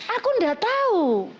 aku enggak tahu